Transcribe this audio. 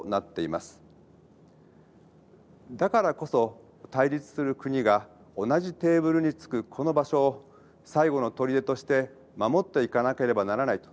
だからこそ対立する国が同じテーブルに着くこの場所を最後の砦として守っていかなければならないというのも確かです。